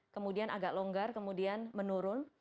kemudian agak longgar kemudian menurun